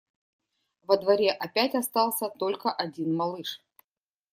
Во дворе опять остался только один малыш.